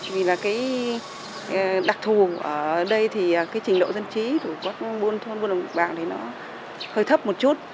vì là cái đặc thù ở đây thì cái trình độ dân trí của các buôn thôn buôn đồng bào thì nó hơi thấp một chút